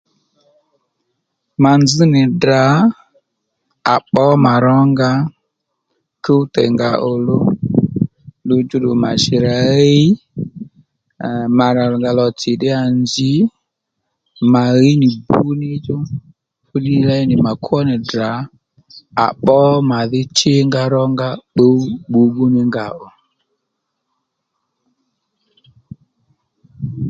Mà nzz nì Ddrà àpbǒ mà rónga kúw tèy nga òluw ddudjúddù mà shì rǎ ɦíy mà e rà lò tsì ddíyà nzǐ mà ɦíy nì bu níchú fúddiy léy nì mà kwó nì Ddrà à pbǒ màdhí shínga rónga pbǔw bbǔbbú ní nga ò